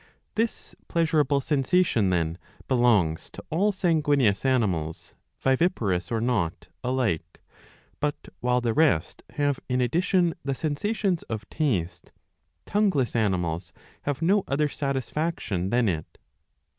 ^ This pleasurable sensation, then, belongs to all sanguineous animals, viviparous or not, alike ; but, while the rest have in addition the sensations of taste, tongueless animals have no other satisfaction than it.